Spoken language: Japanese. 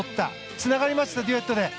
つながりました、デュエットで。